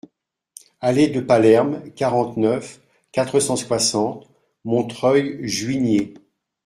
Allée de Palerme, quarante-neuf, quatre cent soixante Montreuil-Juigné